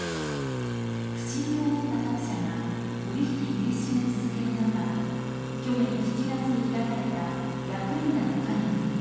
不審に思った各社が取引停止を続ける中去年７月に開かれた役員らの会議